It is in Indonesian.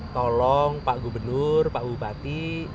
tolong pak gubernur pak bupati